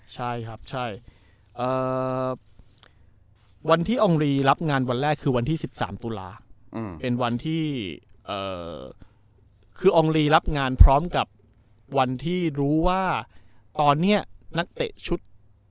ใช่ครับใช่วันที่อองลีรับงานวันแรกคือวันที่๑๓ตุลาเป็นวันที่คืออองลีรับงานพร้อมกับวันที่รู้ว่าตอนนี้นักเตะชุด